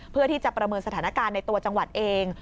เพื่อที่จะประเมินสถานการณ์ในตัวจังหวัดเอง